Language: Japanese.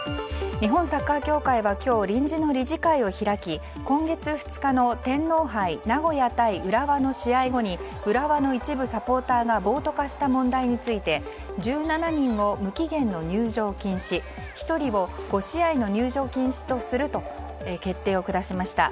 日本サッカー協会は今日臨時の理事会を開き今月２日の天皇杯名古屋対浦和の試合後に浦和の一部サポーターが暴徒化した問題について１７人を無期限の入場禁止１人を５試合の入場禁止とすると決定を下しました。